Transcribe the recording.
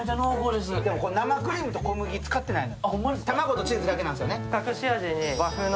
生クリームと小麦、使ってないの。